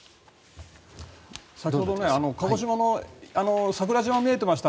先ほど鹿児島の桜島が見えていました。